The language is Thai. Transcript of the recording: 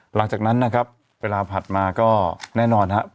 หลังจากนั้นนะครับเวลาถัดมาก็แน่นอนครับ